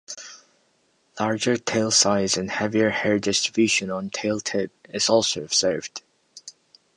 Larger tail size and heavier hair distribution on tail tip is also observed.